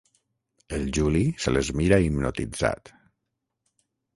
El Juli se les mira hipnotitzat.